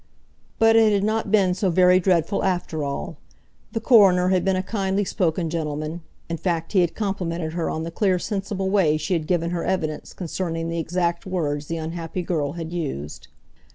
But it had not been so very dreadful after all. The coroner had been a kindly spoken gentleman; in fact he had complimented her on the clear, sensible way she had given her evidence concerning the exact words the unhappy girl had used.